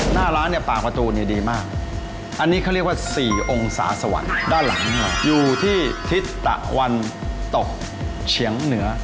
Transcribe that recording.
หน้าร้านเนี่ยปากประตูเนี่ยดีมากอันนี้เขาเรียกว่า๔องศาสวรรค์ด้านหลังเนี่ยอยู่ที่ทิศตะวันตกเฉียงเหนือ